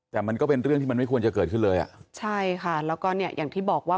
แต่มันก็เป็นเรื่องที่มันไม่ควรจะเกิดขึ้นเลยอ่ะใช่ค่ะแล้วก็เนี่ยอย่างที่บอกว่า